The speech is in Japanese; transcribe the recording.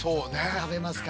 食べますか？